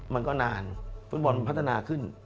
มันก็นานฟุตบอลมันพัฒนาขึ้น